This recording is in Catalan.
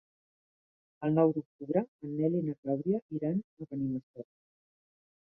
El nou d'octubre en Nel i na Clàudia iran a Benimassot.